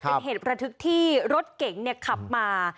เป็นเหตุระทึกที่รถเก๋งขับมา